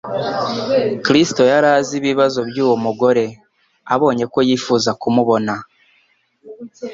Kristo yari azi ibibazo by'uwo mugore. Abonye ko yifuza kumubona,